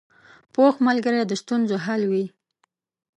پوخ ملګری د ستونزو حل وي